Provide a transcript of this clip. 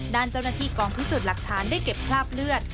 ด้านเจ้าหน้าที่กองพิสูจน์หลักฐานได้เก็บคราบเลือด